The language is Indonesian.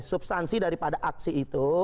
substansi daripada aksi itu